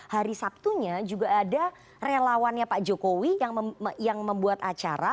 hari sabtunya juga ada relawannya pak jokowi yang membuat acara